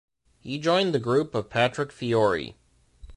He joined the group of Patrick Fiori.